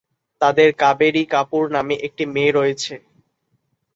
তাঁদের কাবেরী কাপুর নামে একটি মেয়ে রয়েছে।